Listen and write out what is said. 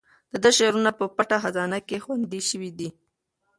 د ده شعرونه په پټه خزانه کې خوندي شوي دي.